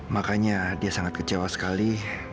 makanya dia sangat kecewa sekali